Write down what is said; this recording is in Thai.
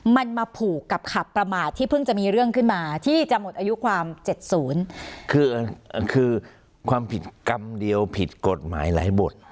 มันมาผูกกับขับประมาทที่เพิ่งจะมีเรื่องขึ้นมาที่จะหมดอายุความเจ็ดศูนย์คือคือความผิดกรรมเดียวผิดกฎหมายหลายบท